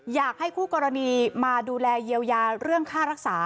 อยากให้คู่กรณีมาดูแลเยียวยาเรื่องค่ารักษา